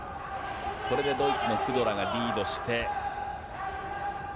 これでドイツのクドラがリードして。